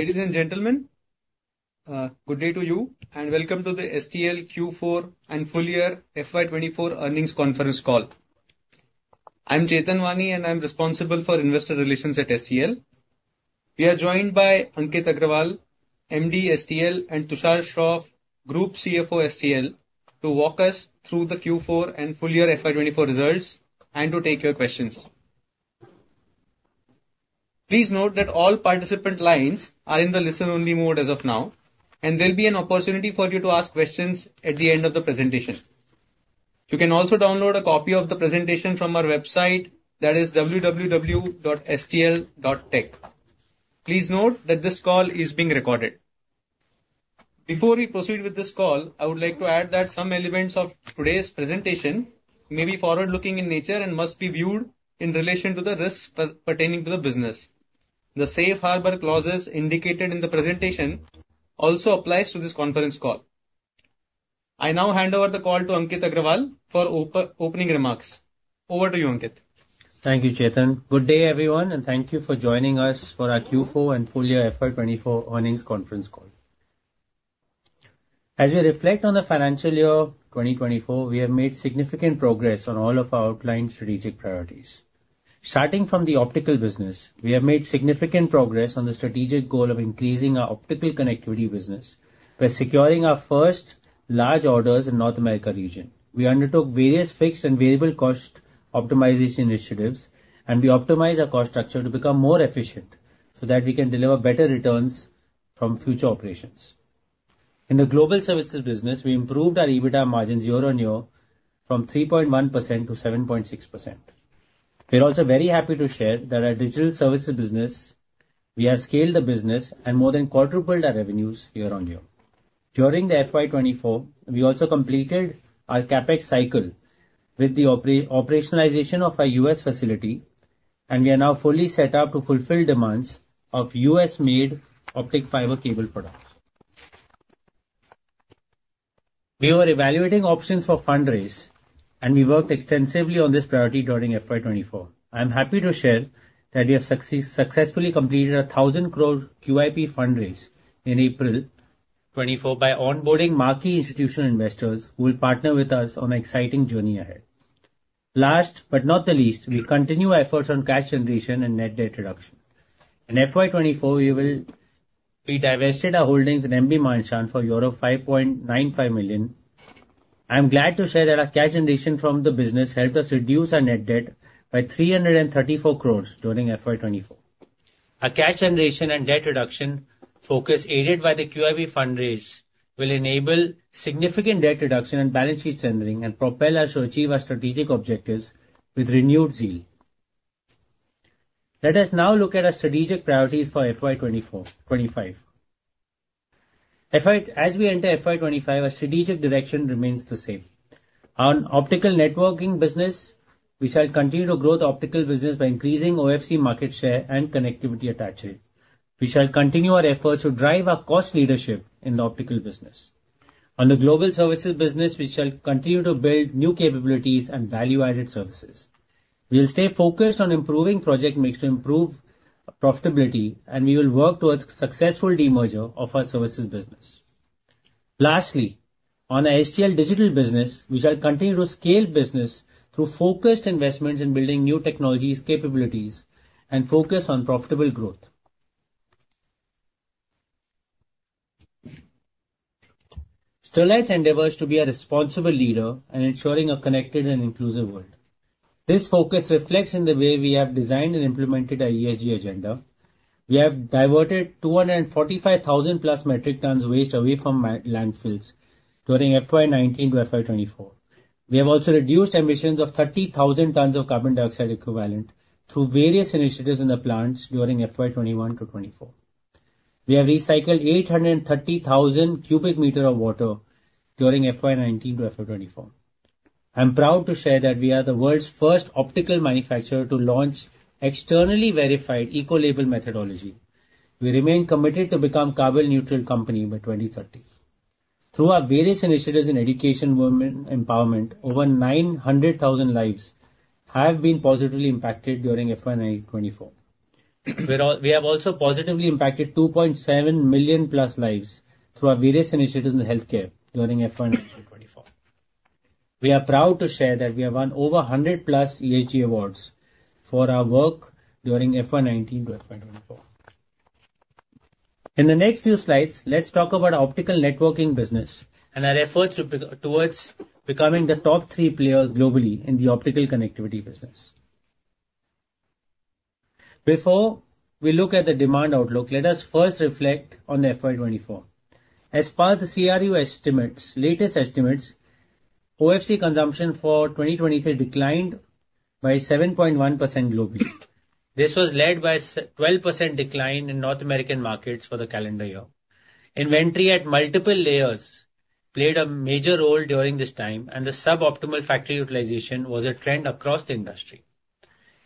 Ladies and gentlemen, good day to you, and welcome to the STL Q4 and full-year FY24 earnings conference call. I'm Chetan Wani, and I'm responsible for investor relations at STL. We are joined by Ankit Agarwal, MD STL, and Tushar Shroff, Group CFO STL, to walk us through the Q4 and full-year FY24 results and to take your questions. Please note that all participant lines are in the listen-only mode as of now, and there'll be an opportunity for you to ask questions at the end of the presentation. You can also download a copy of the presentation from our website, that is www.stl.tech. Please note that this call is being recorded. Before we proceed with this call, I would like to add that some elements of today's presentation may be forward-looking in nature and must be viewed in relation to the risks pertaining to the business. The safe harbor clauses indicated in the presentation also apply to this conference call. I now hand over the call to Ankit Agarwal for opening remarks. Over to you, Ankit. Thank you, Chetan. Good day, everyone, and thank you for joining us for our Q4 and full-year FY24 earnings conference call. As we reflect on the financial year 2024, we have made significant progress on all of our outlined strategic priorities. Starting from the optical business, we have made significant progress on the strategic goal of increasing our optical connectivity business by securing our first large orders in the North America region. We undertook various fixed and variable cost optimization initiatives, and we optimized our cost structure to become more efficient so that we can deliver better returns from future operations. In the global services business, we improved our EBITDA margins year-over-year from 3.1% to 7.6%. We're also very happy to share that our digital services business, we have scaled the business and more than quadrupled our revenues year-over-year. During FY24, we also completed our CAPEX cycle with the operationalization of our U.S. facility, and we are now fully set up to fulfill demands of U.S.-made optical fiber cable products. We were evaluating options for fundraise, and we worked extensively on this priority during FY24. I'm happy to share that we have successfully completed a 1,000 crore QIP fundraise in April 2024 by onboarding marquee institutional investors who will partner with us on an exciting journey ahead. Last but not the least, we continue our efforts on cash generation and net debt reduction. In FY24, we will be divesting our holdings in Maharashtra Transmission (MTCIL) for a value of INR 595 million. I'm glad to share that our cash generation from the business helped us reduce our net debt by 334 crores during FY24. Our cash generation and debt reduction focus, aided by the QIP fundraise, will enable significant debt reduction and balance sheet rendering and propel us to achieve our strategic objectives with renewed zeal. Let us now look at our strategic priorities for FY25. FY25. As we enter FY25, our strategic direction remains the same. On optical networking business, we shall continue to grow the optical business by increasing OFC market share and connectivity attachment. We shall continue our efforts to drive our cost leadership in the optical business. On the global services business, we shall continue to build new capabilities and value-added services. We will stay focused on improving project mix to improve profitability, and we will work towards successful demerger of our services business. Lastly, on our STL Digital business, we shall continue to scale business through focused investments in building new technologies' capabilities and focus on profitable growth. Sterlite's endeavors to be a responsible leader and ensuring a connected and inclusive world. This focus reflects in the way we have designed and implemented our ESG agenda. We have diverted 245,000+ metric tons waste away from landfills during FY2019 to FY2024. We have also reduced emissions of 30,000 tons of carbon dioxide equivalent through various initiatives in the plants during FY2021 to 2024. We have recycled 830,000 cubic meters of water during FY2019 to FY2024. I'm proud to share that we are the world's first optical manufacturer to launch externally verified eco-label methodology. We remain committed to become a carbon-neutral company by 2030. Through our various initiatives in education and empowerment, over 900,000 lives have been positively impacted during FY2024. We have also positively impacted 2.7 million+ lives through our various initiatives in healthcare during FY2024. We are proud to share that we have won over 100+ ESG awards for our work during FY19 to FY24. In the next few slides, let's talk about our optical networking business and our efforts to be a catalyst towards becoming the top three players globally in the optical connectivity business. Before we look at the demand outlook, let us first reflect on FY24. As per the CRU estimates, latest estimates, OFC consumption for 2023 declined by 7.1% globally. This was led by a 12% decline in North American markets for the calendar year. Inventory at multiple layers played a major role during this time, and the suboptimal factory utilization was a trend across the industry.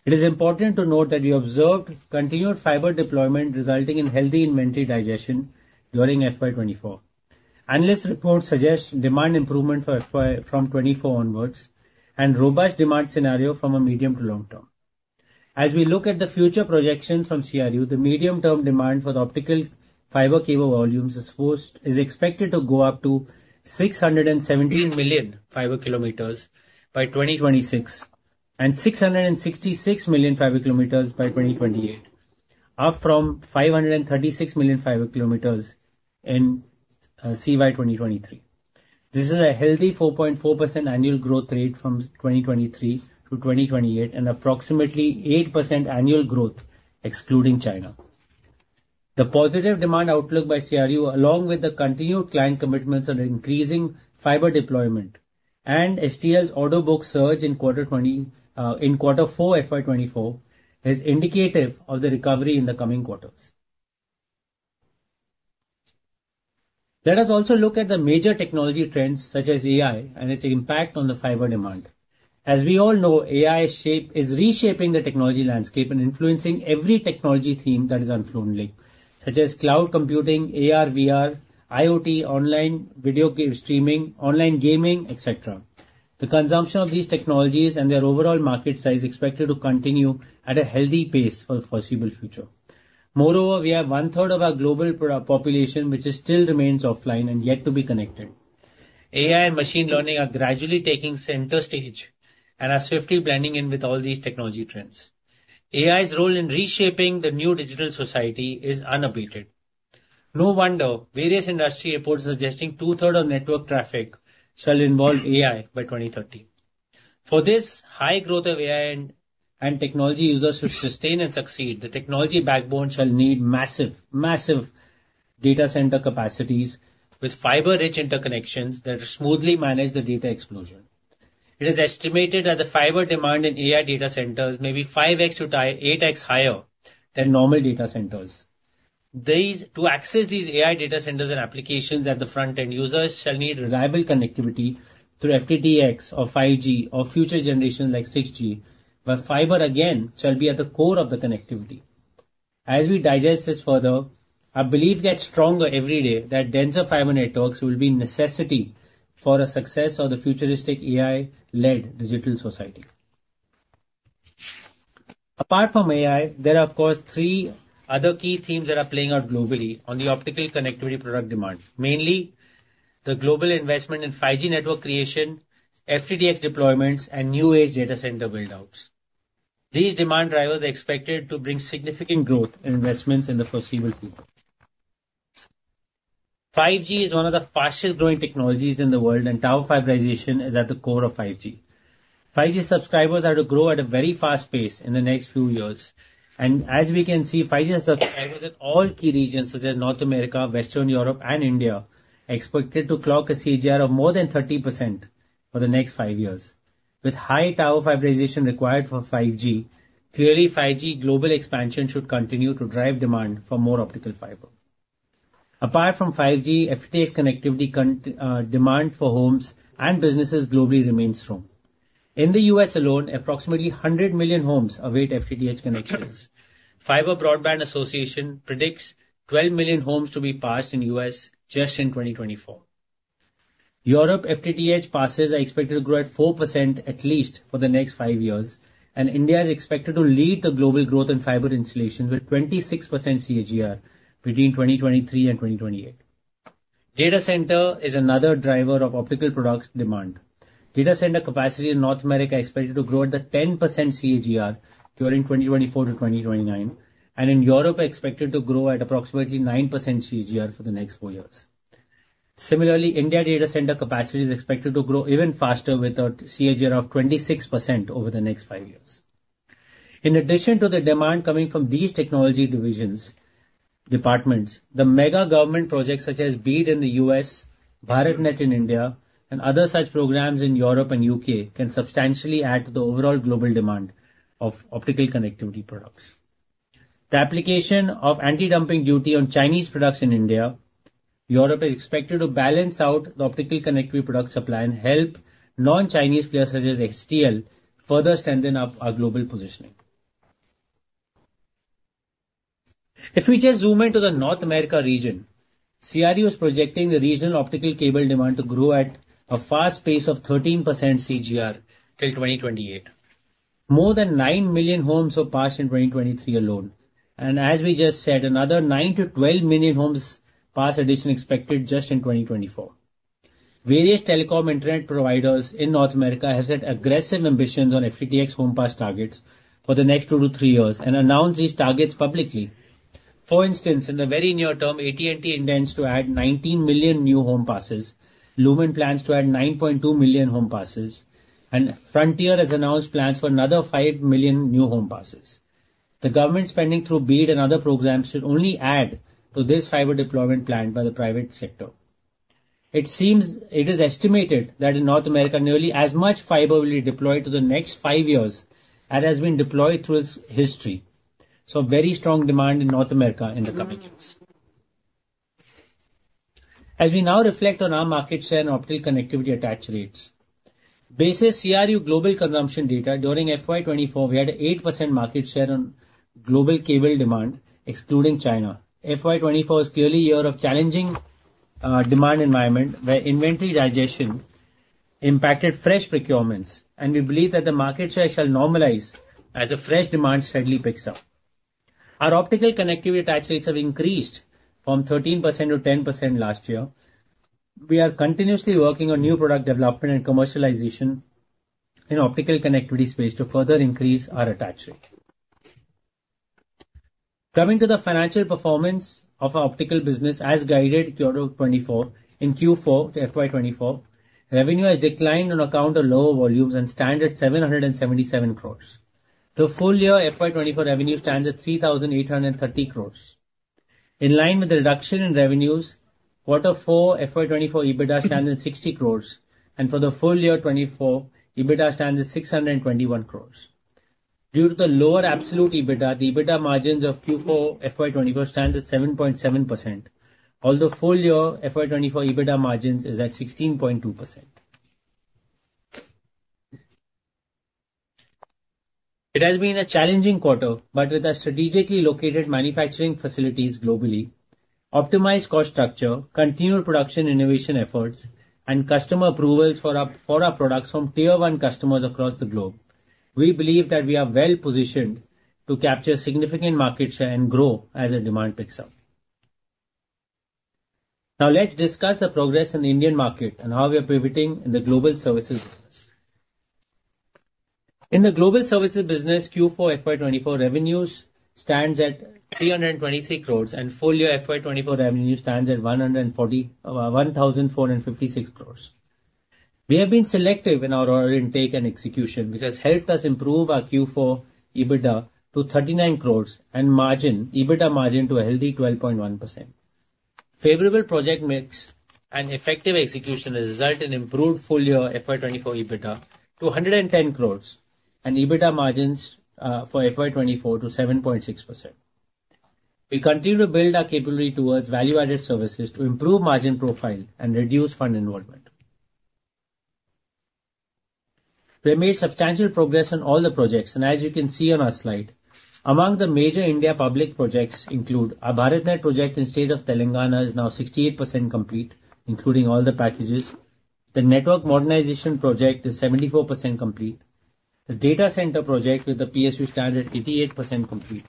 It is important to note that we observed continued fiber deployment resulting in healthy inventory digestion during FY24. Analysts' reports suggest demand improvement for FY from 2024 onwards and robust demand scenarios from a medium- to long-term. As we look at the future projections from CRU, the medium-term demand for optical fiber cable volumes is expected to go up to 617 million fiber kilometers by 2026 and 666 million fiber kilometers by 2028, up from 536 million fiber kilometers in CY 2023. This is a healthy 4.4% annual growth rate from 2023 to 2028 and approximately 8% annual growth excluding China. The positive demand outlook by CRU, along with the continued client commitments on increasing fiber deployment and STL's order book surge in Q2 and Q4 FY24, is indicative of the recovery in the coming quarters. Let us also look at the major technology trends such as AI and its impact on the fiber demand. As we all know, AI is shaping the technology landscape and influencing every technology theme that is unfolding, such as cloud computing, AR/VR, IoT, online video game streaming, online gaming, etc. The consumption of these technologies and their overall market size is expected to continue at a healthy pace for the foreseeable future. Moreover, we have one-third of our global population, which still remains offline and yet to be connected. AI and machine learning are gradually taking center stage and are swiftly blending in with all these technology trends. AI's role in reshaping the new digital society is unabated. No wonder various industry reports suggesting two-thirds of network traffic shall involve AI by 2030. For this high growth of AI and technology users to sustain and succeed, the technology backbone shall need massive, massive data center capacities with fiber-rich interconnections that smoothly manage the data explosion. It is estimated that the fiber demand in AI data centers may be 5x to 8x higher than normal data centers. To access these AI data centers and applications at the front-end, users shall need reliable connectivity through FTTX or 5G or future generations like 6G, but fiber again shall be at the core of the connectivity. As we digest this further, our belief gets stronger every day that denser fiber networks will be a necessity for the success of the futuristic AI-led digital society. Apart from AI, there are, of course, three other key themes that are playing out globally on the optical connectivity product demand, mainly the global investment in 5G network creation, FTTX deployments, and new-age data center buildouts. These demand drivers are expected to bring significant growth in investments in the foreseeable future. 5G is one of the fastest-growing technologies in the world, and tower fiberization is at the core of 5G. 5G subscribers are to grow at a very fast pace in the next few years, and as we can see, 5G subscribers in all key regions such as North America, Western Europe, and India are expected to clock a CAGR of more than 30% for the next five years. With high tower fiberization required for 5G, clearly, 5G global expansion should continue to drive demand for more optical fiber. Apart from 5G, FTTX connectivity constant demand for homes and businesses globally remains strong. In the U.S. alone, approximately 100 million homes await FTTH connections. Fiber Broadband Association predicts 12 million homes to be passed in the U.S. just in 2024. Europe FTTH passes are expected to grow at 4% at least for the next five years, and India is expected to lead the global growth in fiber installations with 26% CAGR between 2023 and 2028. Data center is another driver of optical products demand. Data center capacity in North America is expected to grow at the 10% CAGR during 2024-2029, and in Europe, expected to grow at approximately 9% CAGR for the next four years. Similarly, India data center capacity is expected to grow even faster with a CAGR of 26% over the next five years. In addition to the demand coming from these technology divisions, departments, the mega government projects such as BEAD in the U.S., BharatNet in India, and other such programs in Europe and U.K. can substantially add to the overall global demand of optical connectivity products. The application of anti-dumping duty on Chinese products in India, Europe is expected to balance out the optical connectivity product supply and help non-Chinese players such as STL further strengthen up our global positioning. If we just zoom in to the North America region, CRU is projecting the regional optical cable demand to grow at a fast pace of 13% CAGR till 2028. More than 9 million homes were passed in 2023 alone, and as we just said, another 9-12 million homes pass addition expected just in 2024. Various telecom internet providers in North America have set aggressive ambitions on FTTX home pass targets for the next two to three years and announced these targets publicly. For instance, in the very near term, AT&T intends to add 19 million new home passes, Lumen plans to add 9.2 million home passes, and Frontier has announced plans for another 5 million new home passes. The government spending through BEAD and other programs should only add to this fiber deployment plan by the private sector. It seems it is estimated that in North America, nearly as much fiber will be deployed to the next five years as has been deployed through its history. So, very strong demand in North America in the coming years. As we now reflect on our market share and optical connectivity attach rates, based on CRU global consumption data during FY24, we had an 8% market share on global cable demand, excluding China. FY24 is clearly a year of challenging demand environment where inventory digestion impacted fresh procurements, and we believe that the market share shall normalize as the fresh demand steadily picks up. Our optical connectivity attach rates have increased from 13% to 10% last year. We are continuously working on new product development and commercialization in the optical connectivity space to further increase our attach rate. Coming to the financial performance of our optical business as guided Q2 24 in Q4 to FY24, revenue has declined on account of lower volumes and stood at 777 crores. The full year FY24 revenue stands at 3,830 crores. In line with the reduction in revenues, quarter four FY24 EBITDA stands at 60 crores, and for the full year 24, EBITDA stands at 621 crores. Due to the lower absolute EBITDA, the EBITDA margins of Q4 FY24 stand at 7.7%, while the full year FY24 EBITDA margins are at 16.2%. It has been a challenging quarter, but with our strategically located manufacturing facilities globally, optimized cost structure, continued production innovation efforts, and customer approvals for our products from tier one customers across the globe, we believe that we are well positioned to capture significant market share and grow as the demand picks up. Now, let's discuss the progress in the Indian market and how we are pivoting in the global services business. In the global services business, Q4 FY24 revenues stand at 323 crore, and full year FY24 revenue stands at 1,456 crore. We have been selective in our order intake and execution, which has helped us improve our Q4 EBITDA to 39 crore and EBITDA margin to a healthy 12.1%. Favorable project mix and effective execution result in improved full year FY24 EBITDA to 110 crores and EBITDA margins for FY24 to 7.6%. We continue to build our capability towards value-added services to improve margin profile and reduce fund involvement. We have made substantial progress on all the projects, and as you can see on our slide, among the major India public projects include our BharatNet project in the state of Telangana is now 68% complete, including all the packages. The network modernization project is 74% complete. The data center project with the PSU stands at 88% complete.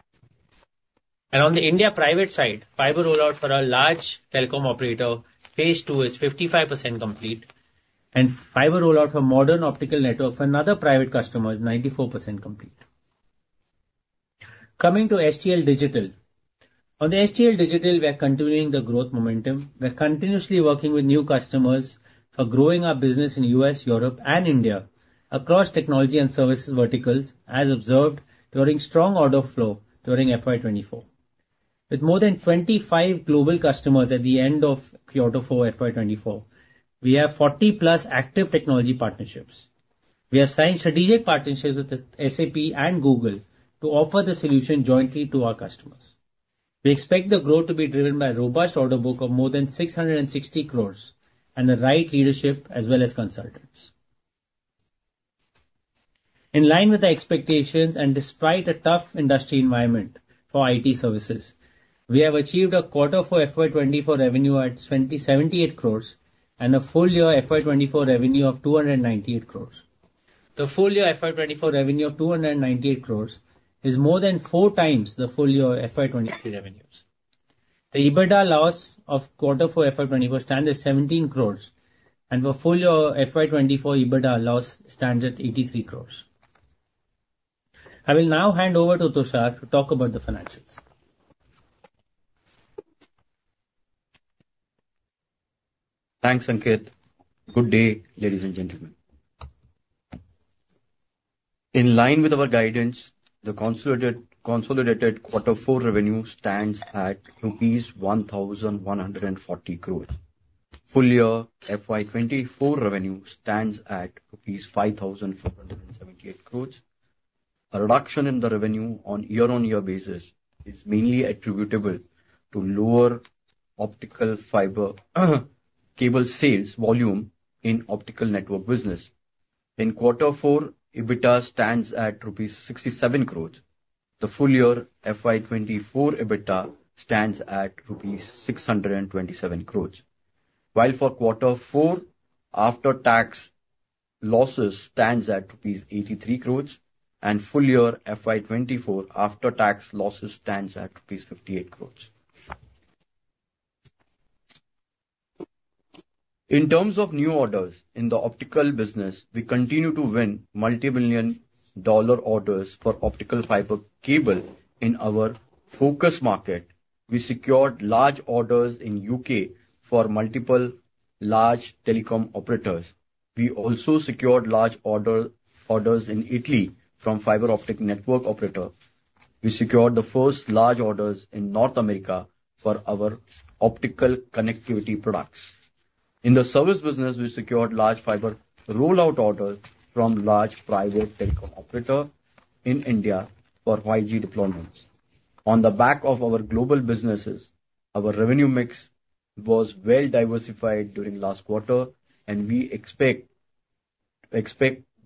And on the India private side, fiber rollout for our large telecom operator phase two is 55% complete, and fiber rollout for modern optical network for another private customer is 94% complete. Coming to STL Digital, on the STL Digital, we are continuing the growth momentum. We are continuously working with new customers for growing our business in the U.S., Europe, and India across technology and services verticals, as observed during strong order flow during FY24. With more than 25 global customers at the end of quarter four FY24, we have 40+ active technology partnerships. We have signed strategic partnerships with SAP and Google to offer the solution jointly to our customers. We expect the growth to be driven by a robust order book of more than 660 crore and the right leadership as well as consultants. In line with the expectations, and despite a tough industry environment for IT services, we have achieved a quarter four FY24 revenue at 2,078 crore and a full year FY24 revenue of 298 crore. The full year FY24 revenue of 298 crore is more than four times the full year FY23 revenues. The EBITDA loss of quarter four FY24 stands at 17 crores, and the full year FY24 EBITDA loss stands at 83 crores. I will now hand over to Tushar to talk about the financials. Thanks, Ankit. Good day, ladies and gentlemen. In line with our guidance, the consolidated quarter four revenue stands at rupees 1,140 crores. Full year FY24 revenue stands at rupees 5,478 crores. A reduction in the revenue on year-on-year basis is mainly attributable to lower optical fiber cable sales volume in the optical network business. In quarter four, EBITDA stands at 67 crores rupees. The full year FY24 EBITDA stands at 627 crores rupees. While for quarter four, after-tax losses stand at rupees 83 crores, and full year FY24 after-tax losses stand at rupees 58 crores. In terms of new orders in the optical business, we continue to win multi-billion-dollar orders for optical fiber cable in our focus market. We secured large orders in the UK for multiple large telecom operators. We also secured large orders in Italy from a fiber optic network operator. We secured the first large orders in North America for our optical connectivity products. In the service business, we secured a large fiber rollout order from a large private telecom operator in India for 5G deployments. On the back of our global businesses, our revenue mix was well diversified during last quarter, and we expect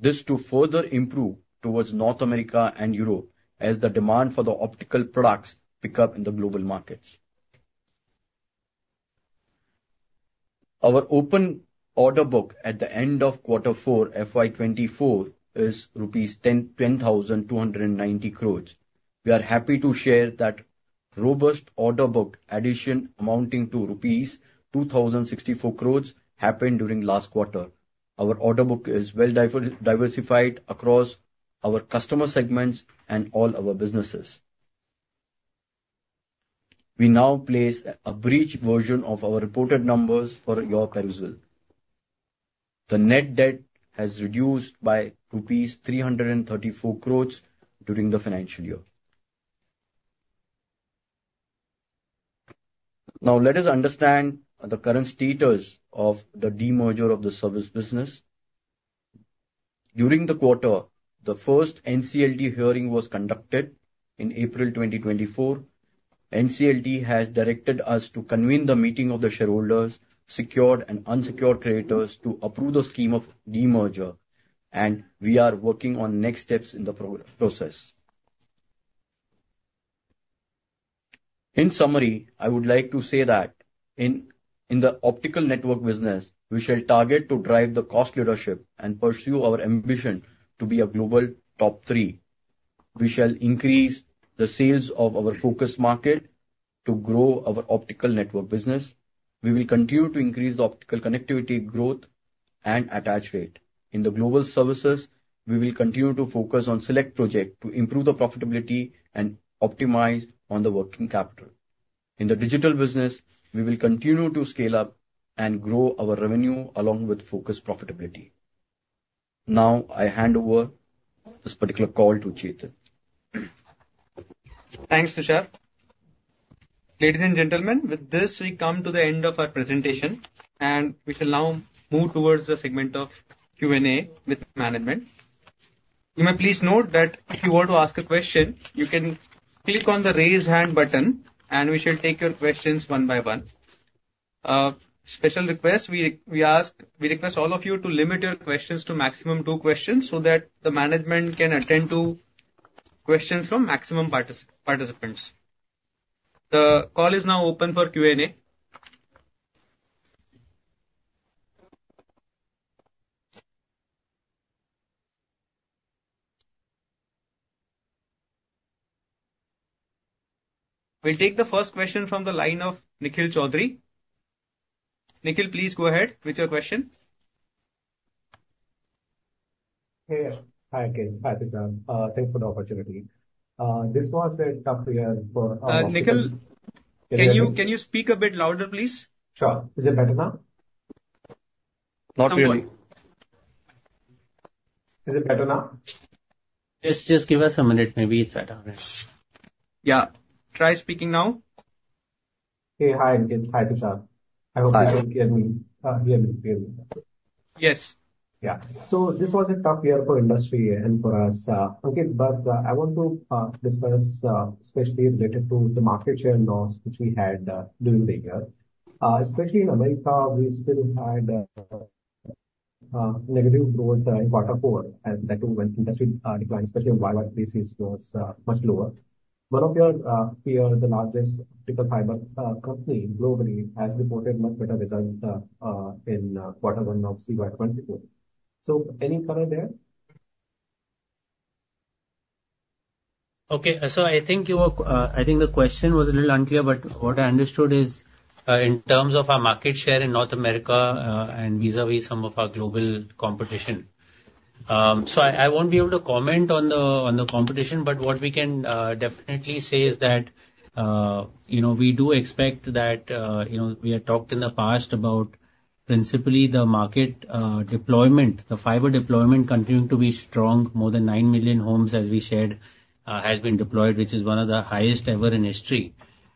this to further improve towards North America and Europe as the demand for the optical products pick up in the global markets. Our open order book at the end of quarter four FY2024 is rupees 10,290 crores. We are happy to share that the robust order book addition amounting to rupees 2,064 crores happened during last quarter. Our order book is well diversified across our customer segments and all our businesses. We now place a brief version of our reported numbers for your perusal. The net debt has reduced by rupees 334 crore during the financial year. Now, let us understand the current status of the demerger of the service business. During the quarter, the first NCLT hearing was conducted in April 2024. NCLT has directed us to convene the meeting of the shareholders, secured and unsecured creditors, to approve the scheme of demerger, and we are working on next steps in the process. In summary, I would like to say that in the optical network business, we shall target to drive the cost leadership and pursue our ambition to be a global top three. We shall increase the sales of our focus market to grow our optical network business. We will continue to increase the optical connectivity growth and attach rate. In the global services, we will continue to focus on select projects to improve the profitability and optimize on the working capital. In the digital business, we will continue to scale up and grow our revenue along with focused profitability. Now, I hand over this particular call to Chetan. Thanks, Tushar. Ladies and gentlemen, with this, we come to the end of our presentation, and we shall now move towards the segment of Q&A with management. You may please note that if you want to ask a question, you can click on the raise hand button, and we shall take your questions one by one. Special request: we ask, we request all of you to limit your questions to a maximum of two questions so that the management can attend to questions from a maximum participants. The call is now open for Q&A. We'll take the first question from the line of Nikhil Choudhary. Nikhil, please go ahead with your question. Hey there. Hi, Ankit. Hi, Tushar. Thanks for the opportunity. This was a tough year for our optical network. Nikhil, can you speak a bit louder, please? Sure. Is it better now? Not really. Is it better now? Just give us a minute. Maybe it's better. Yeah. Try speaking now. Hey, hi, Ankit. Hi, Peter. I hope you can hear me. Hear me. Yes. Yeah. So this was a tough year for industry and for us. Ankit, but I want to discuss, especially related to the market share loss which we had during the year, especially in America. We still had negative growth in quarter four, and that too when industry declined, especially when supply crisis was much lower. One of your peers, the largest optical fiber company globally, has reported a much better result in quarter one of CY2024. So any color there? Okay. So I think the question was a little unclear, but what I understood is, in terms of our market share in North America, and vis-à-vis some of our global competition. So I won't be able to comment on the competition, but what we can definitely say is that, you know, we have talked in the past about principally the market deployment, the fiber deployment continuing to be strong. More than 9 million homes, as we shared, have been deployed, which is one of the highest ever in history.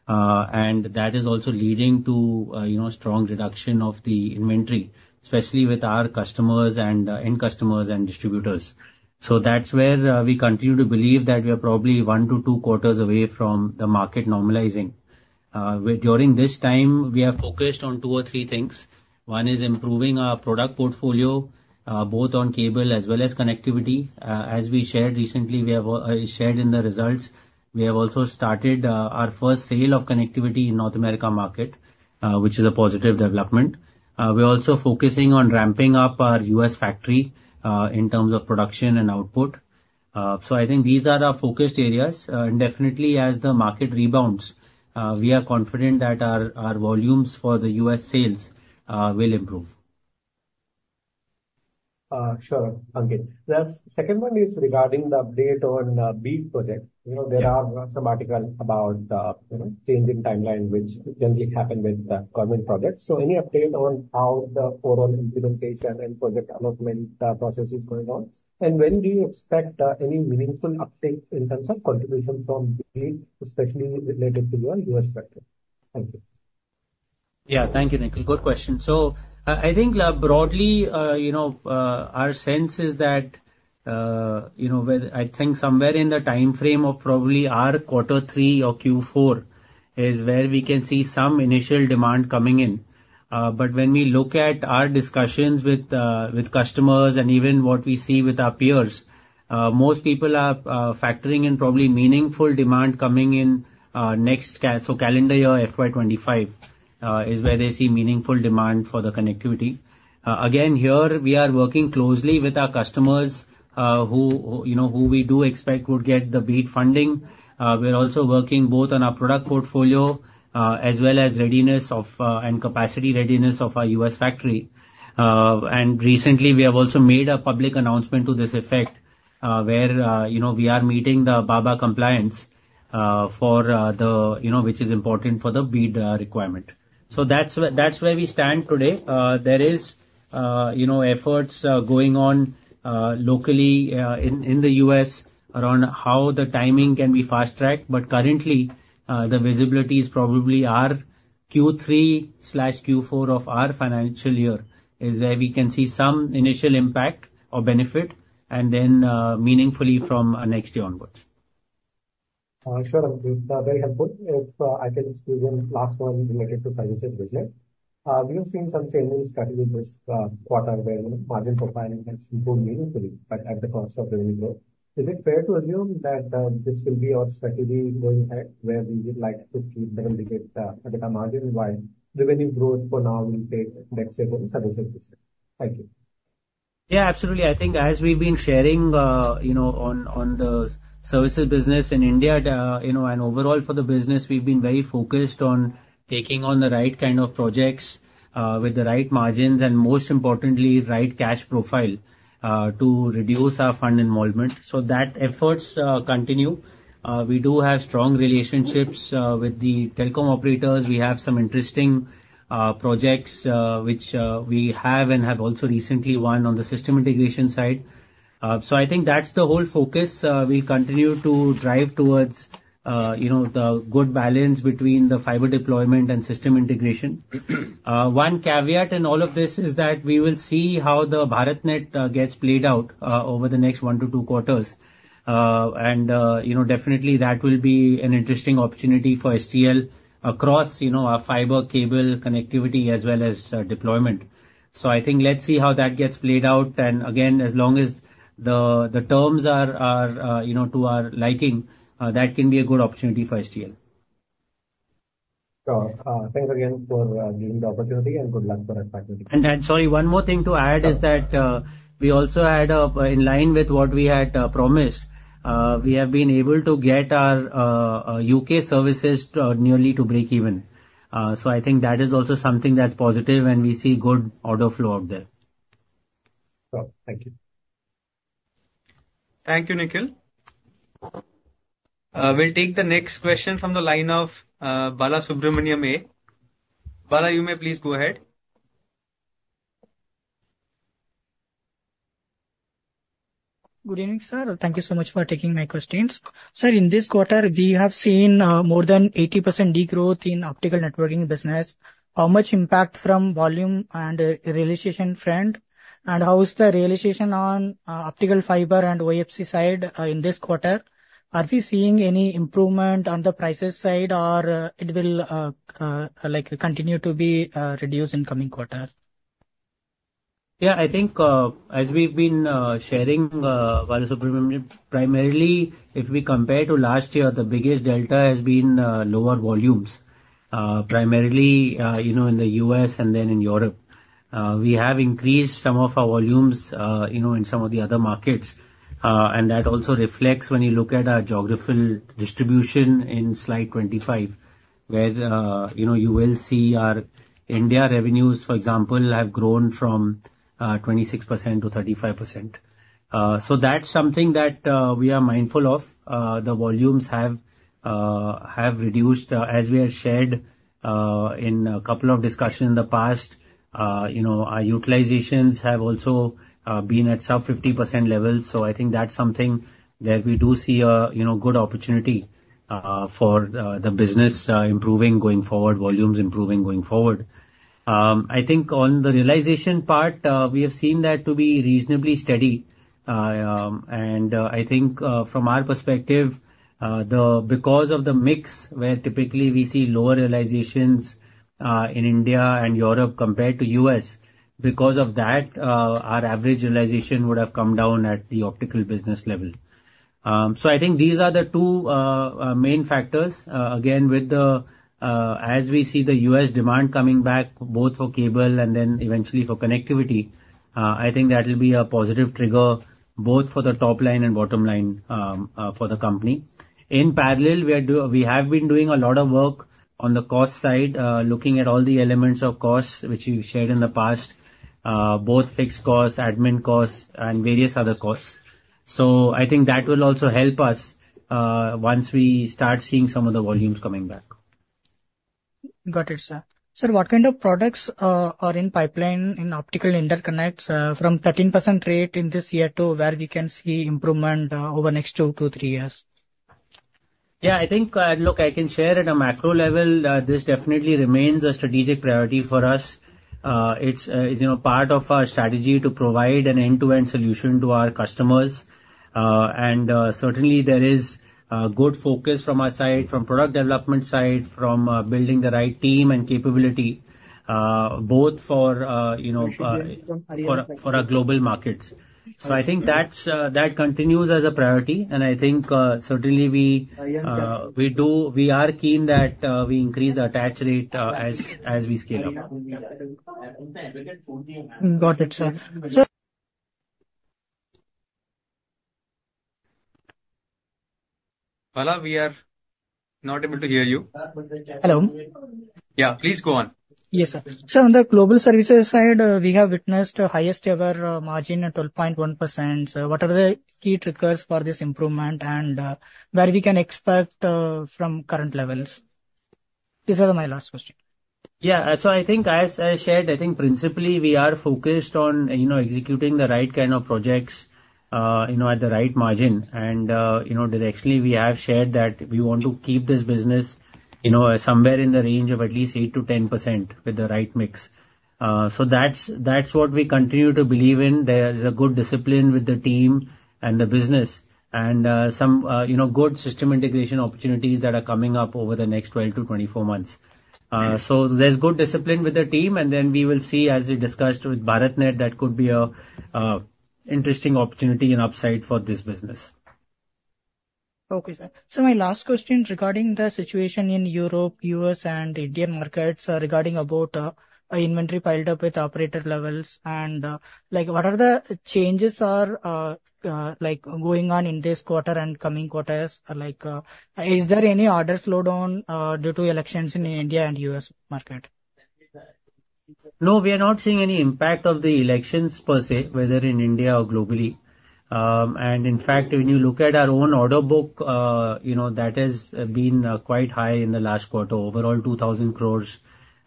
And that is also leading to, you know, a strong reduction of the inventory, especially with our customers and end customers and distributors. So that's where we continue to believe that we are probably 1-2 quarters away from the market normalizing. During this time, we have focused on two or three things. One is improving our product portfolio, both on cable as well as connectivity. As we shared recently, we have shared in the results. We have also started our first sale of connectivity in the North America market, which is a positive development. We're also focusing on ramping up our U.S. factory in terms of production and output. So I think these are our focused areas. And definitely, as the market rebounds, we are confident that our our volumes for the U.S. sales will improve. Sure, Ankit. The second one is regarding the update on BEAD project. You know, there are some articles about, you know, changing timelines which generally happen with the government projects. So any update on how the overall implementation and project allotment process is going on, and when do you expect any meaningful update in terms of contribution from BEAD, especially related to your U.S. factory? Thank you. Yeah, thank you, Nikhil. Good question. So I think, broadly, you know, our sense is that, you know, whether I think somewhere in the time frame of probably our quarter three or Q4 is where we can see some initial demand coming in. But when we look at our discussions with, with customers and even what we see with our peers, most people are, factoring in probably meaningful demand coming in, next cal so calendar year FY25, is where they see meaningful demand for the connectivity. Again, here, we are working closely with our customers, who, you know, who we do expect would get the BEAD funding. We're also working both on our product portfolio, as well as readiness of, and capacity readiness of our U.S. factory. And recently, we have also made a public announcement to this effect, where, you know, we are meeting the BABA compliance, for, the you know, which is important for the BEAD requirement. So that's where that's where we stand today. There is, you know, efforts, going on, locally, in in the U.S. around how the timing can be fast-tracked, but currently, the visibilities probably are Q3/Q4 of our financial year is where we can see some initial impact or benefit, and then, meaningfully from next year onwards. Sure, Ankit. Very helpful. If I can just give you the last one related to services business. We have seen some changes in strategy this quarter where, you know, margin profiling has improved meaningfully, but at the cost of revenue growth. Is it fair to assume that this will be our strategy going ahead where we would like to keep double-digit a bit of margin while revenue growth for now will take decades on services business? Thank you. Yeah, absolutely. I think as we've been sharing, you know, on the services business in India, you know, and overall for the business, we've been very focused on taking on the right kind of projects with the right margins and, most importantly, the right cash profile to reduce our fund involvement. So that efforts continue. We do have strong relationships with the telecom operators. We have some interesting projects which we have and have also recently won on the system integration side. So I think that's the whole focus. We'll continue to drive towards you know the good balance between the fiber deployment and system integration. One caveat in all of this is that we will see how the BharatNet gets played out, over the next 1-2 quarters. And, you know, definitely, that will be an interesting opportunity for STL across, you know, our fiber cable connectivity as well as deployment. So I think let's see how that gets played out. And again, as long as the terms are, you know, to our liking, that can be a good opportunity for STL. Sure. Thanks again for giving the opportunity, and good luck for our strategy. And sorry, one more thing to add is that, we also had, in line with what we had promised, we have been able to get our UK services nearly to break even. So I think that is also something that's positive when we see good order flow out there. Sure. Thank you. Thank you, Nikhil. We'll take the next question from the line of Bala Subramanian. A. Bala, you may please go ahead. Good evening, sir. Thank you so much for taking my questions. Sir, in this quarter, we have seen more than 80% degrowth in optical networking business. How much impact from volume and realization trend? And how is the realization on optical fiber and OFC side in this quarter? Are we seeing any improvement on the prices side, or it will, like, continue to be reduced in the coming quarter? Yeah, I think, as we've been sharing, Bala Subramaniam, primarily, if we compare to last year, the biggest delta has been lower volumes, primarily, you know, in the U.S. and then in Europe. We have increased some of our volumes, you know, in some of the other markets. And that also reflects when you look at our geographical distribution in Slide 25, where, you know, you will see our India revenues, for example, have grown from 26%-35%. So that's something that we are mindful of. The volumes have reduced, as we have shared, in a couple of discussions in the past. You know, our utilizations have also been at sub-50% levels. So I think that's something where we do see a, you know, good opportunity for the business improving going forward, volumes improving going forward. I think on the realization part, we have seen that to be reasonably steady. And I think from our perspective, the because of the mix where typically we see lower realizations in India and Europe compared to the U.S., because of that, our average realization would have come down at the optical business level. So I think these are the two main factors. Again, with the, as we see the U.S. demand coming back, both for cable and then eventually for connectivity, I think that will be a positive trigger both for the top line and bottom line for the company. In parallel, we have been doing a lot of work on the cost side, looking at all the elements of costs which we've shared in the past, both fixed costs, admin costs, and various other costs. So I think that will also help us once we start seeing some of the volumes coming back. Got it, sir. Sir, what kind of products are in pipeline in optical interconnects, from 13% rate in this year to where we can see improvement over the next two to three years? Yeah, I think, look, I can share at a macro level, this definitely remains a strategic priority for us. It's, you know, part of our strategy to provide an end-to-end solution to our customers. And certainly there is good focus from our side, from the product development side, from building the right team and capability, both for, you know, for our global markets. So I think that's, that continues as a priority. And I think certainly we are keen that we increase the attach rate as we scale up. Got it, sir. So. Bala, we are not able to hear you. Hello. Yeah, please go on. Yes, sir. Sir, on the Global Services side, we have witnessed the highest ever margin at 12.1%. What are the key triggers for this improvement and where we can expect from current levels? These are my last questions. Yeah, so I think, as I shared, I think principally, we are focused on, you know, executing the right kind of projects, you know, at the right margin. And, you know, directionally, we have shared that we want to keep this business, you know, somewhere in the range of at least 8%-10% with the right mix. So that's what we continue to believe in. There's a good discipline with the team and the business and, some, you know, good system integration opportunities that are coming up over the next 12-24 months. So there's good discipline with the team, and then we will see, as we discussed with BharatNet, that could be an interesting opportunity and upside for this business. Okay, sir. So my last question regarding the situation in Europe, U.S., and Indian markets, regarding about, an inventory piled up with operator levels, and, like, what are the changes are, like, going on in this quarter and coming quarters? Like, is there any order slowdown, due to elections in India and U.S. market? No, we are not seeing any impact of the elections per se, whether in India or globally. And in fact, when you look at our own order book, you know, that has been quite high in the last quarter, overall 2,000 crores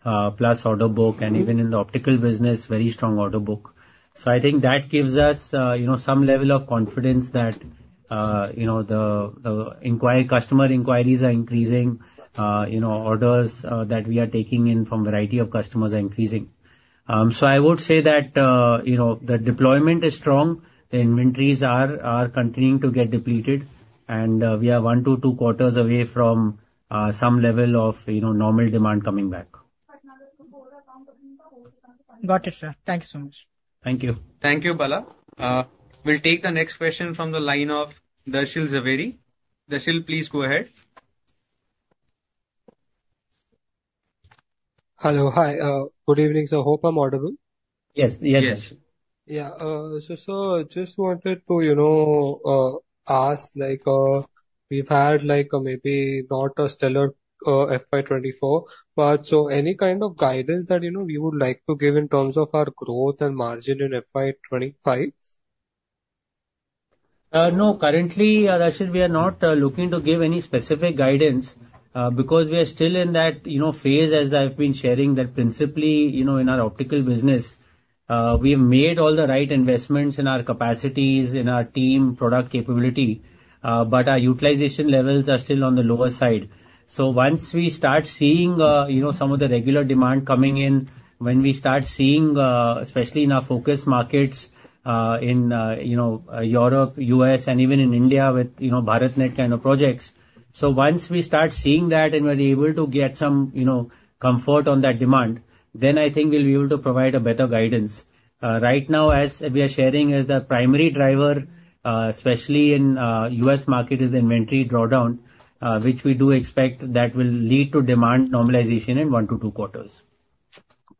plus order book, and even in the optical business, very strong order book. So I think that gives us, you know, some level of confidence that, you know, the inquiry customer inquiries are increasing, you know, orders, that we are taking in from a variety of customers are increasing. So, I would say that, you know, the deployment is strong. The inventories are continuing to get depleted, and we are 1-2 quarters away from some level of, you know, normal demand coming back. Got it, sir. Thank you so much. Thank you. Thank you, Bala. We'll take the next question from the line of Dashil Jhaveri. Dashil, please go ahead. Hello. Hi. Good evening. So I hope I'm audible. Yes. Yes. Yes. Yeah. So I just wanted to, you know, ask, like, we've had, like, maybe not a stellar FY24, but so any kind of guidance that, you know, we would like to give in terms of our growth and margin in FY25? No. Currently, Dashil, we are not looking to give any specific guidance, because we are still in that, you know, phase, as I've been sharing, that principally, you know, in our optical business, we have made all the right investments in our capacities, in our team, product capability, but our utilization levels are still on the lower side. So once we start seeing, you know, some of the regular demand coming in, when we start seeing, especially in our focus markets, in, you know, Europe, U.S., and even in India with, you know, BharatNet kind of projects, so once we start seeing that and we're able to get some, you know, comfort on that demand, then I think we'll be able to provide a better guidance. Right now, as we are sharing, the primary driver, especially in, the U.S. market, is the inventory drawdown, which we do expect that will lead to demand normalization in 1-2 quarters.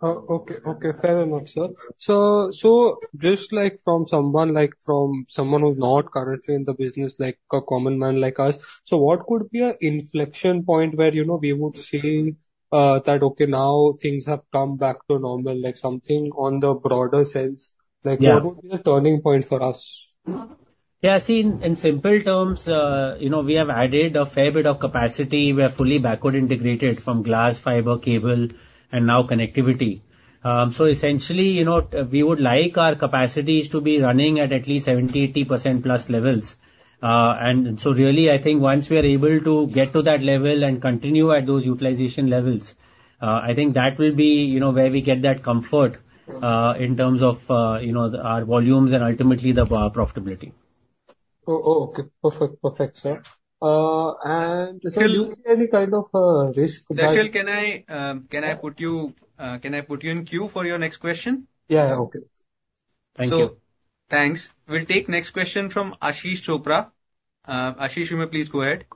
Oh, okay. Okay. Fair enough, sir. So, so just like from someone, like, from someone who's not currently in the business, like, a common man like us, so what could be an inflection point where, you know, we would see, that, okay, now things have come back to normal, like, something on the broader sense? Like, what would be a turning point for us? Yeah, see, in simple terms, you know, we have added a fair bit of capacity. We are fully backward integrated from glass, fiber, cable, and now connectivity. So essentially, you know, we would like our capacities to be running at least 70%-80% plus levels. And so really, I think once we are able to get to that level and continue at those utilization levels, I think that will be, you know, where we get that comfort, in terms of, you know, our volumes and ultimately the profitability. Oh, oh, okay. Perfect. Perfect, sir. And is there any kind of risk? Dashil, can I put you in queue for your next question? Yeah, yeah. Okay. Thank you. So thanks. We'll take the next question from Ashish Chopra. Ashish, you may please go ahead.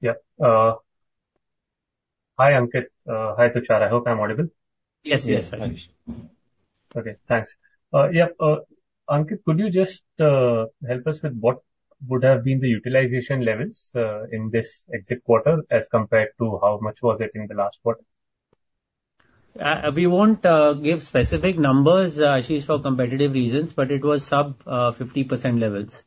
Yeah. Hi, Ankit. Hi, Tushar Shroff. I hope I'm audible. Yes, yes, sir. Okay. Thanks. Yeah. Ankit, could you just help us with what would have been the utilization levels in this exit quarter as compared to how much was it in the last quarter? We won't give specific numbers, Ashish, for competitive reasons, but it was sub-50% levels.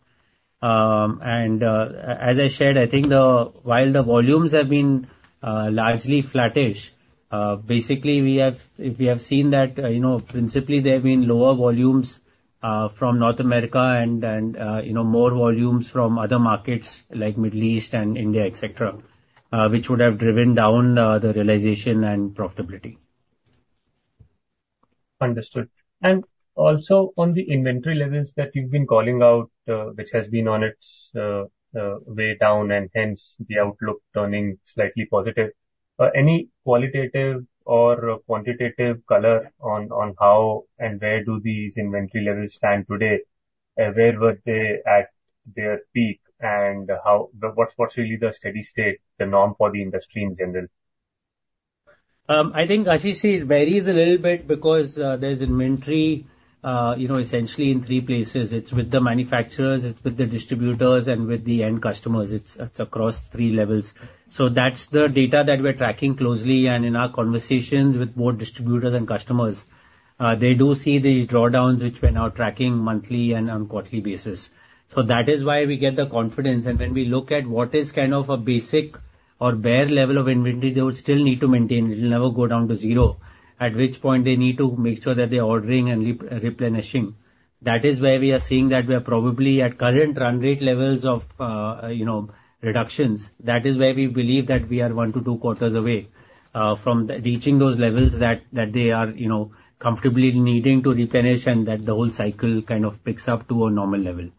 And, as I shared, I think while the volumes have been largely flattish, basically, we have seen that, you know, principally, there have been lower volumes from North America and, you know, more volumes from other markets like the Middle East and India, etc., which would have driven down the realization and profitability. Understood. And also on the inventory levels that you've been calling out, which has been on its way down and hence the outlook turning slightly positive, any qualitative or quantitative color on how and where do these inventory levels stand today? Where were they at their peak, and how what's really the steady state, the norm for the industry in general? I think, Ashish, it varies a little bit because there's inventory, you know, essentially in three places. It's with the manufacturers, it's with the distributors, and with the end customers. It's across three levels. So that's the data that we're tracking closely, and in our conversations with both distributors and customers, they do see these drawdowns which we're now tracking monthly and on a quarterly basis. So that is why we get the confidence, and when we look at what is kind of a basic or bare level of inventory, they would still need to maintain. It'll never go down to zero, at which point they need to make sure that they're ordering and replenishing. That is where we are seeing that we are probably at current run rate levels of, you know, reductions. That is where we believe that we are 1-2 quarters away from reaching those levels that that they are, you know, comfortably needing to replenish and that the whole cycle kind of picks up to a normal level.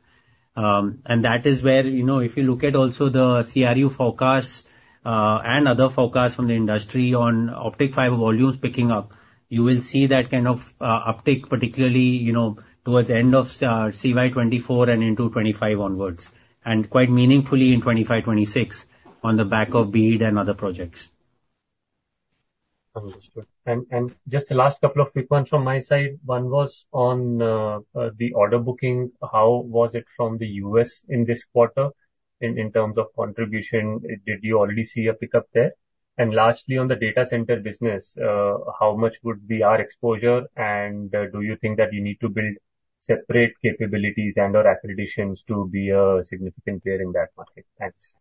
And that is where, you know, if you look at also the CRU forecasts, and other forecasts from the industry on optic fiber volumes picking up, you will see that kind of uptick, particularly, you know, towards the end of CY 2024 and into 2025 onwards, and quite meaningfully in 2025, 2026 on the back of BEAD and other projects. Understood. And, and just the last couple of quick ones from my side. One was on the order booking. How was it from the U.S. in this quarter in in terms of contribution? Did you already see a pickup there? And lastly, on the data center business, how much would be our exposure, and do you think that you need to build separate capabilities and/or accreditations to be a significant player in that market? Thanks.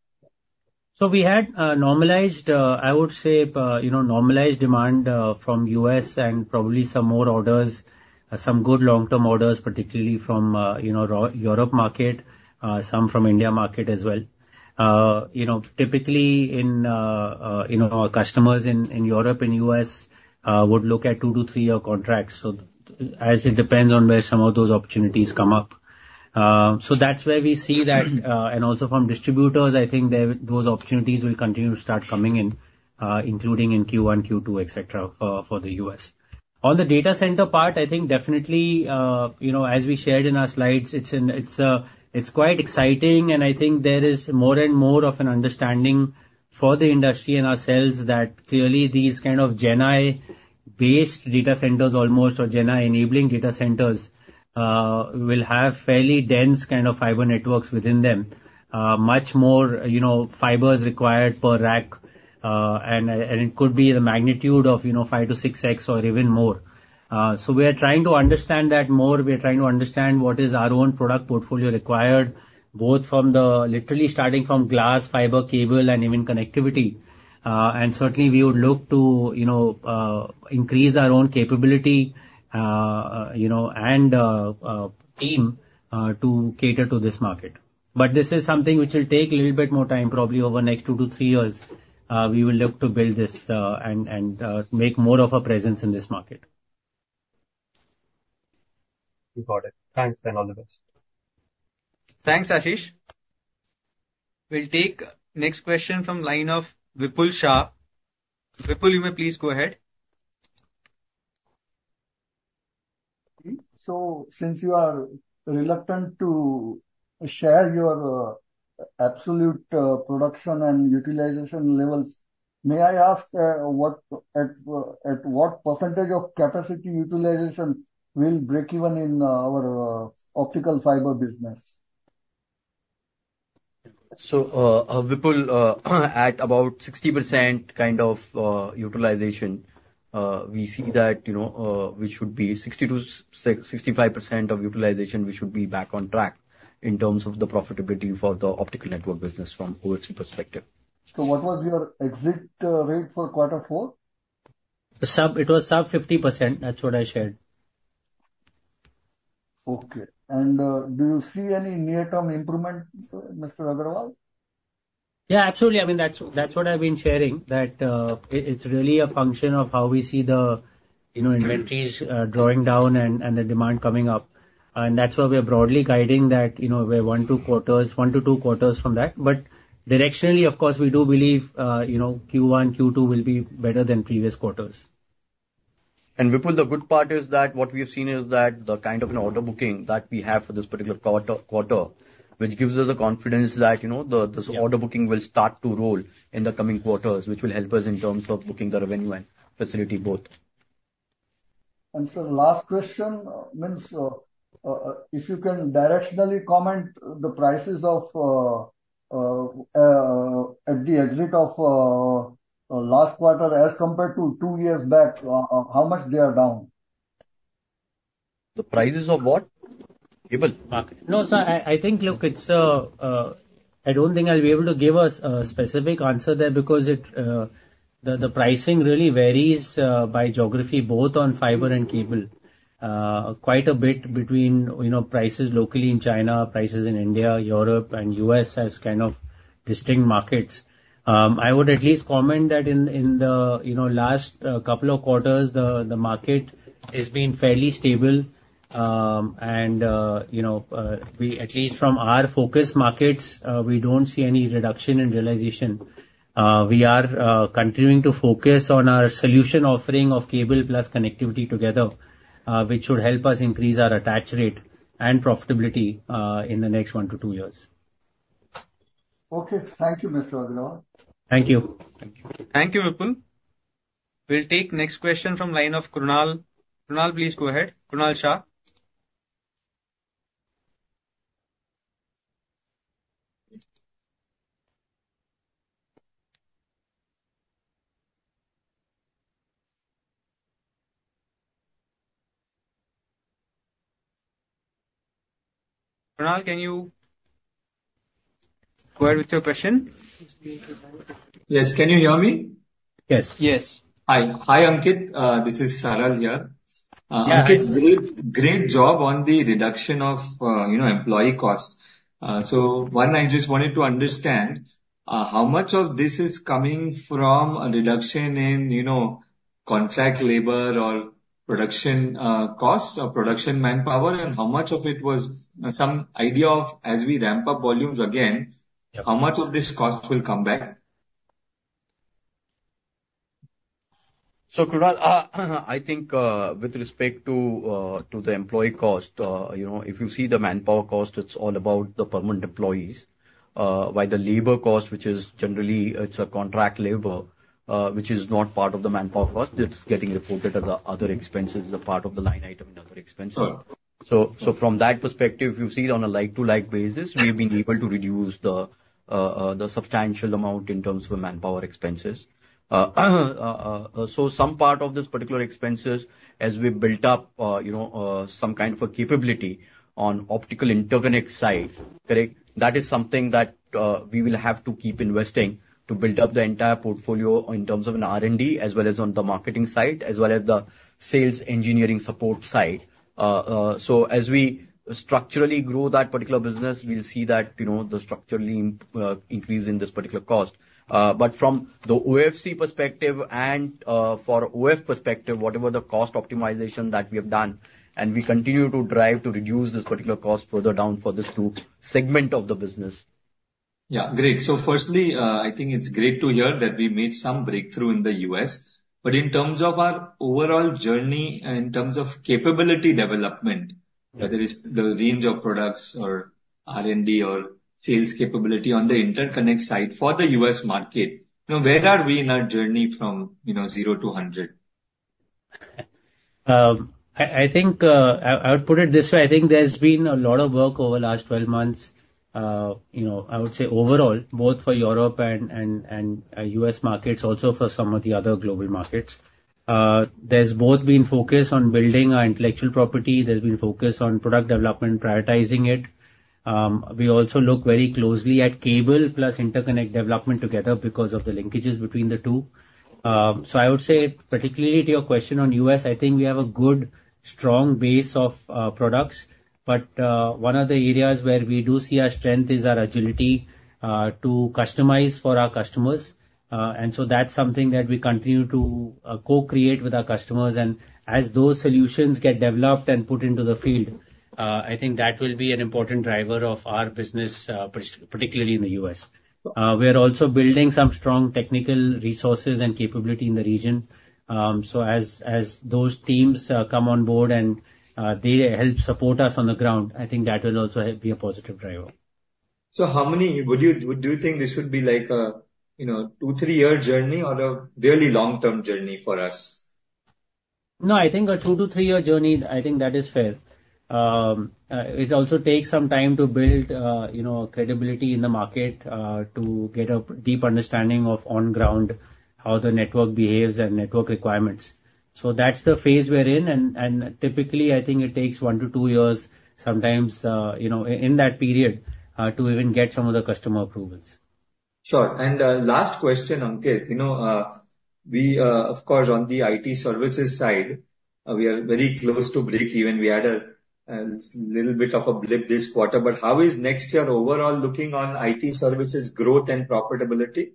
So we had normalized, I would say, you know, normalized demand from the U.S. and probably some more orders, some good long-term orders, particularly from, you know, the Europe market, some from the India market as well. You know, typically, in, you know, our customers in Europe, in the U.S., would look at 2-3-year contracts. So as it depends on where some of those opportunities come up. So that's where we see that, and also from distributors, I think those opportunities will continue to start coming in, including in Q1, Q2, etc., for the U.S. On the data center part, I think definitely, you know, as we shared in our slides, it's quite exciting, and I think there is more and more of an understanding for the industry and ourselves that clearly these kind of GenAI-based data centers almost, or GenAI-enabling data centers, will have fairly dense kind of fiber networks within them, much more, you know, fibers required per rack, and it could be the magnitude of, you know, 5-6x or even more. We are trying to understand that more. We are trying to understand what is our own product portfolio required, both from the literally starting from glass, fiber, cable, and even connectivity. And certainly, we would look to, you know, increase our own capability, you know, and team, to cater to this market. But this is something which will take a little bit more time, probably over the next 2 to 3 years. We will look to build this, and make more of a presence in this market. You got it. Thanks, and all the best. Thanks, Ashish. We'll take the next question from the line of Vipul Shah. Vipul, you may please go ahead. So since you are reluctant to share your absolute production and utilization levels, may I ask what percentage of capacity utilization will break even in our optical fiber business? So, Vipul, at about 60% kind of utilization, we see that, you know, we should be 60%-65% of utilization; we should be back on track in terms of the profitability for the optical network business from EBITDA perspective. So what was your exit rate for quarter four? It was sub-50%. That's what I shared. Okay. And do you see any near-term improvement, Mr. Agarwal? Yeah, absolutely. I mean, that's that's what I've been sharing, that, it's really a function of how we see the, you know, inventories, drawing down and and the demand coming up. And that's why we are broadly guiding that, you know, we're 1-2 quarters 1-2 quarters from that. But directionally, of course, we do believe, you know, Q1, Q2 will be better than previous quarters. And Vipul, the good part is that what we have seen is that the kind of an order booking that we have for this particular quarter, which gives us a confidence that, you know, the this order booking will start to roll in the coming quarters, which will help us in terms of booking the revenue and facility both. And so the last question, Ankit, if you can directionally comment the prices of, at the exit of, last quarter as compared to two years back, how much they are down? The prices of what? Cable? No, sir. I I think, look, it's, I don't think I'll be able to give a specific answer there because it, the the pricing really varies, by geography both on fiber and cable, quite a bit between, you know, prices locally in China, prices in India, Europe, and the U.S. as kind of distinct markets. I would at least comment that in in the, you know, last couple of quarters, the the market has been fairly stable. And, you know, we at least from our focus markets, we don't see any reduction in realization. We are continuing to focus on our solution offering of cable plus connectivity together, which would help us increase our attach rate and profitability in the next one to two years. Okay. Thank you, Mr. Agarwal. Thank you. Thank you. Thank you, Vipul. We'll take the next question from the line of Krunal. Krunal, please go ahead. Krunal Shah. Krunal, can you go ahead with your question? Yes. Yes. Hi. Hi, Ankit. This is Saral here. Ankit, great, great job on the reduction of, you know, employee cost. So one, I just wanted to understand, how much of this is coming from a reduction in, you know, contract labor or production cost or production manpower, and how much of it was some idea of, as we ramp up volumes again, how much of this cost will come back? So, Krunal, I think, with respect to the employee cost, you know, if you see the manpower cost, it's all about the permanent employees, while the labor cost, which is generally, it's contract labor, which is not part of the manpower cost, it's getting reported as the other expenses, the part of the line item in other expenses. So, from that perspective, you've seen on a like-to-like basis, we've been able to reduce the substantial amount in terms of manpower expenses. So some part of these particular expenses, as we built up, you know, some kind of a capability on optical interconnect side, correct, that is something that we will have to keep investing to build up the entire portfolio in terms of an R&D as well as on the marketing side as well as the sales engineering support side. So as we structurally grow that particular business, we'll see that, you know, the structural increase in this particular cost. But from the OFC perspective and for OFC perspective, whatever the cost optimization that we have done, and we continue to drive to reduce this particular cost further down for these two segments of the business. Yeah, great. So firstly, I think it's great to hear that we made some breakthrough in the U.S., but in terms of our overall journey and in terms of capability development, whether it's the range of products or R&D or sales capability on the interconnect side for the U.S. market, you know, where are we in our journey from, you know, 0 to 100? I think I would put it this way. I think there's been a lot of work over the last 12 months, you know. I would say overall, both for Europe and U.S. markets, also for some of the other global markets. There's both been focus on building our intellectual property. There's been focus on product development, prioritizing it. We also look very closely at cable plus interconnect development together because of the linkages between the two. So I would say, particularly to your question on the U.S., I think we have a good, strong base of products, but one of the areas where we do see our strength is our agility to customize for our customers. And so that's something that we continue to co-create with our customers, and as those solutions get developed and put into the field, I think that will be an important driver of our business, particularly in the U.S. We are also building some strong technical resources and capability in the region. So as those teams come on board and they help support us on the ground, I think that will also be a positive driver. So how many would you think this would be like a, you know, 2-3-year journey or a really long-term journey for us? No, I think a 2-3-year journey, I think that is fair. It also takes some time to build, you know, credibility in the market, to get a deep understanding of on-ground how the network behaves and network requirements. So that's the phase we're in, and typically, I think it takes 1-2 years, sometimes, you know, in that period, to even get some of the customer approvals. Sure. And last question, Ankit. You know, we, of course, on the IT services side, we are very close to breakeven. We had a little bit of a blip this quarter. But how is next year overall looking on IT services growth and profitability?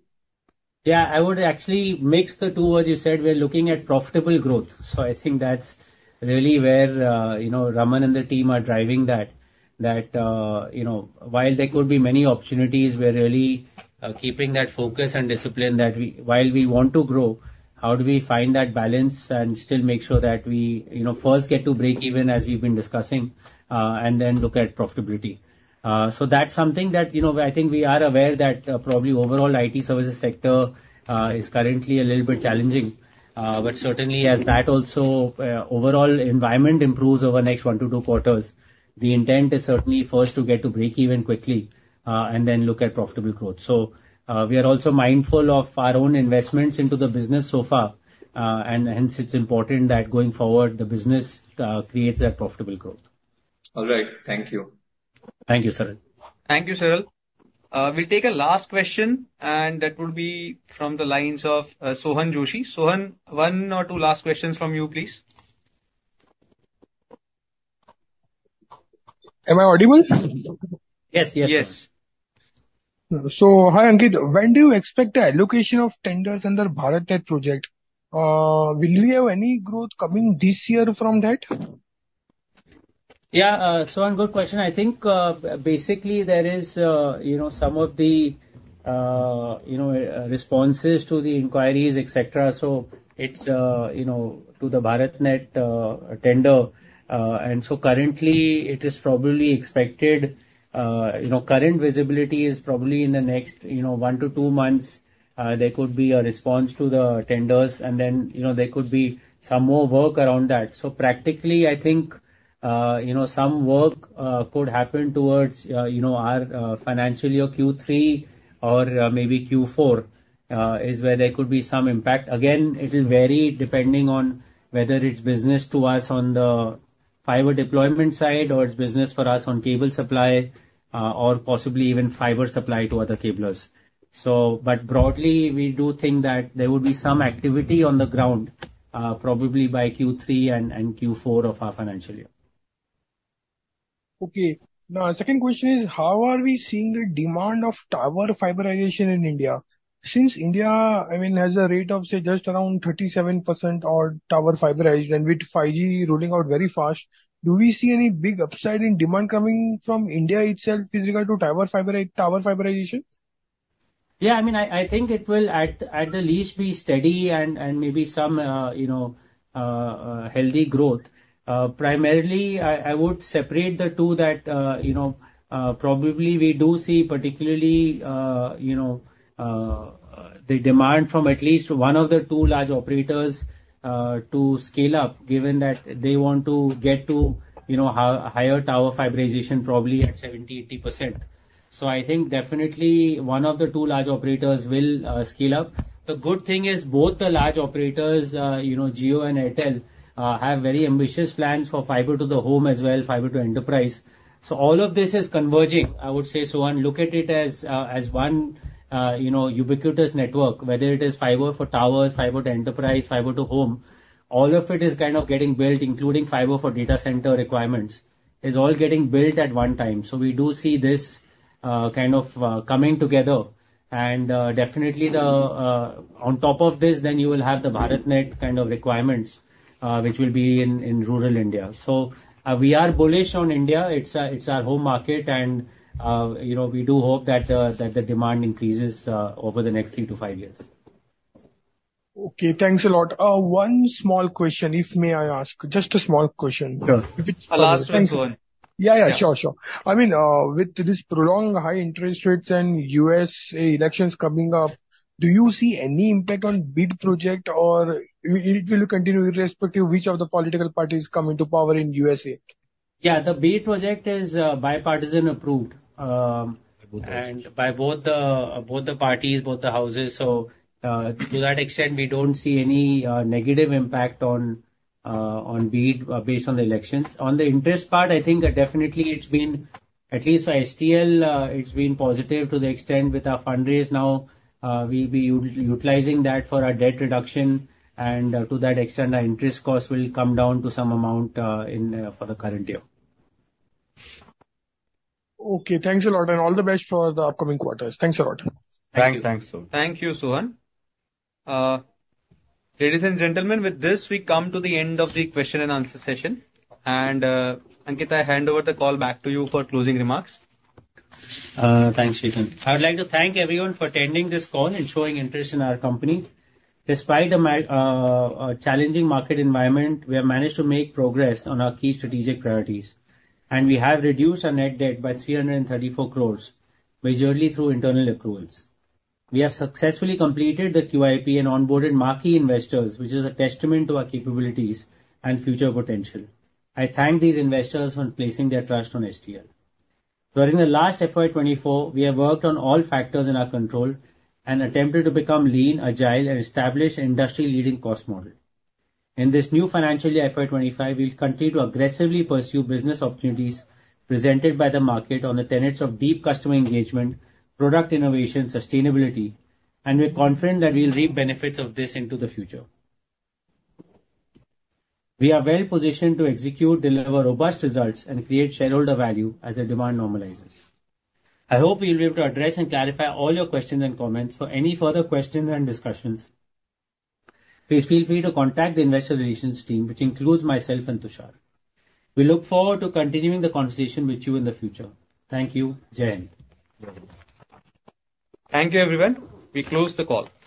Yeah, I would actually mix the two as you said. We're looking at profitable growth. So I think that's really where, you know, Raman and the team are driving that, you know, while there could be many opportunities, we're really keeping that focus and discipline that while we want to grow, how do we find that balance and still make sure that we, you know, first get to breakeven as we've been discussing, and then look at profitability. So that's something that, you know, I think we are aware that probably overall IT services sector is currently a little bit challenging. but certainly, as that also, overall environment improves over the next 1-2 quarters, the intent is certainly first to get to break even quickly, and then look at profitable growth. So, we are also mindful of our own investments into the business so far, and hence, it's important that going forward, the business, creates that profitable growth. All right. Thank you. Thank you, Saral. Thank you, Saral. We'll take a last question, and that would be from the lines of, Sohan Joshi. Sohan, 1 or 2 last questions from you, please. Am I audible? Yes, yes, yes. Yes. So, hi, Ankit. When do you expect the allocation of tenders under the BharatNet project? Will we have any growth coming this year from that? Yeah, Sohan, good question. I think, basically, there is, you know, some of the, you know, responses to the inquiries, etc. So it's, you know, to the BharatNet tender. And so currently, it is probably expected, you know, current visibility is probably in the next, you know, 1-2 months, there could be a response to the tenders, and then, you know, there could be some more work around that. So practically, I think, you know, some work could happen towards, you know, our financial year Q3 or maybe Q4, is where there could be some impact. Again, it will vary depending on whether it's business to us on the fiber deployment side or it's business for us on cable supply, or possibly even fiber supply to other cablers. So but broadly, we do think that there would be some activity on the ground, probably by Q3 and Q4 of our financial year. Okay. Now, second question is, how are we seeing the demand of Tower Fiberization in India? Since India, I mean, has a rate of, say, just around 37% or tower fiberized, and with 5G rolling out very fast, do we see any big upside in demand coming from India itself with regard to tower fiberization? Yeah, I mean, I think it will, at the least, be steady and maybe some, you know, healthy growth. Primarily, I would separate the two that, you know, probably we do see particularly, you know, the demand from at least one of the two large operators to scale up, given that they want to get to, you know, higher tower fiberization probably at 70%-80%. So I think definitely one of the two large operators will scale up. The good thing is both the large operators, you know, Jio and Airtel, have very ambitious plans for fiber to the home as well, fiber to enterprise. So all of this is converging, I would say, Sohan. Look at it as one, you know, ubiquitous network, whether it is fiber for towers, fiber to enterprise, fiber to home, all of it is kind of getting built, including fiber for data center requirements, is all getting built at one time. So we do see this, kind of, coming together. And, definitely, on top of this, then you will have the BharatNet kind of requirements, which will be in rural India. So, we are bullish on India. It's our home market, and, you know, we do hope that the demand increases, over the next three to five years. Okay. Thanks a lot. One small question, if I may ask, just a small question. Sure. One last one, Sohan. Yeah, yeah, sure, sure. I mean, with this prolonged high interest rates and U.S. elections coming up, do you see any impact on the BEAD project, or it will continue irrespective of which of the political parties come into power in the U.S.? Yeah, the BEAD project is bipartisan approved, and by both the parties, both the houses. So, to that extent, we don't see any negative impact on BEAD based on the elections. On the interest part, I think definitely it's been, at least for STL, it's been positive to the extent with our fundraise now, we'll be utilizing that for our debt reduction, and to that extent, our interest cost will come down to some amount in for the current year. Okay. Thanks a lot, and all the best for the upcoming quarters. Thanks a lot. Thanks, thanks, Sohan. Thank you, Sohan. Ladies and gentlemen, with this, we come to the end of the question and answer session. Ankit, I hand over the call back to you for closing remarks. Thanks, Saral. I would like to thank everyone for attending this call and showing interest in our company. Despite a challenging market environment, we have managed to make progress on our key strategic priorities, and we have reduced our net debt by 334 crore, majorly through internal accruals. We have successfully completed the QIP and onboarded marquee investors, which is a testament to our capabilities and future potential. I thank these investors for placing their trust on STL. During the last FY2024, we have worked on all factors in our control and attempted to become lean, agile, and establish an industry-leading cost model. In this new financial year FY25, we'll continue to aggressively pursue business opportunities presented by the market on the tenets of deep customer engagement, product innovation, sustainability, and we're confident that we'll reap benefits of this into the future. We are well positioned to execute, deliver robust results, and create shareholder value as the demand normalizes. I hope we'll be able to address and clarify all your questions and comments. For any further questions and discussions, please feel free to contact the Investor Relations team, which includes myself and Tushar Shroff. We look forward to continuing the conversation with you in the future. Thank you. Jai Hind. Thank you, everyone. We close the call.